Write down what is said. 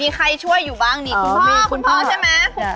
มีใครช่วยอยู่บ้างนี่คุณพ่อคุณพ่อใช่ไหม